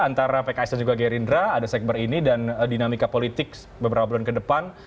antara pks dan juga gerindra ada segber ini dan dinamika politik beberapa bulan ke depan